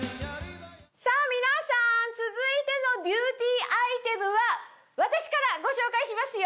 さぁ皆さん続いてのビューティーアイテムは私からご紹介しますよ